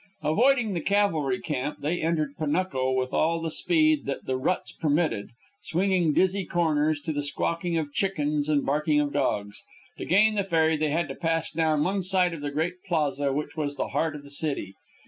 Avoiding the cavalry camp, they entered Panuco with all the speed the ruts permitted, swinging dizzy corners to the squawking of chickens and barking of dogs. To gain the ferry, they had to pass down one side of the great plaza which was the heart of the city.